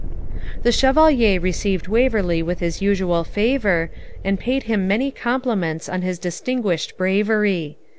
The Chevalier received Waverley with his usual favour, and paid him many compliments on his distinguished bravery.